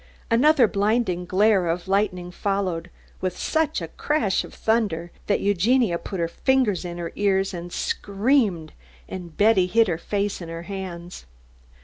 Another blinding glare of lightning followed, with such a crash of thunder that Eugenia put her fingers in her ears and screamed, and Betty hid her face in her hands.